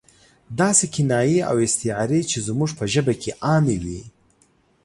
داسې کنایې او استعارې چې زموږ په ژبه کې عامې وي.